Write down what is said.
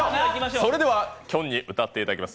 それではきょんに歌っていただきます